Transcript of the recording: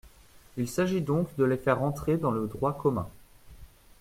Il s’agit donc de les faire entrer dans le droit commun.